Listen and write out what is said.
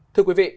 thưa quý vị